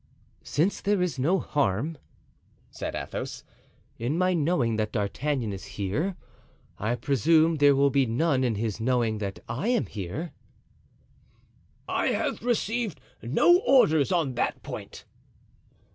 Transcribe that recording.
"Since there is no harm," said Athos, "in my knowing that D'Artagnan is here, I presume there will be none in his knowing that I am here." "I have received no orders on that point."